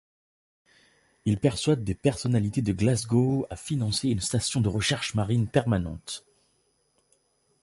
Il persuade des personnalités de Glasgow à financer une station de recherche marine permanente.